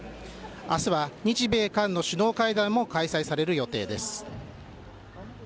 明日は日米韓の首脳会談も開催される予定です。